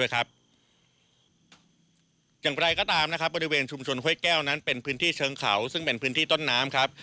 อย่างไรก็ตามนะครับบริเวณชุมชนห้วยแก้วนั้นเป็นพื้นที่เชิงเขาซึ่งเป็นพื้นที่ต้นน้ำครับ